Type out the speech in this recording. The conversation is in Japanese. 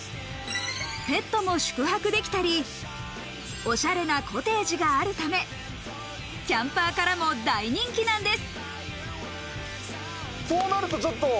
ペットも宿泊できたり、おしゃれなコテージがあるため、キャンパーからも大人気なんです。